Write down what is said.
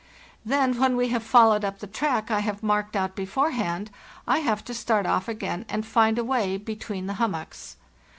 Then when we have followed up the track I have marked out beforehand I have to start off again and find a way between the hummocks.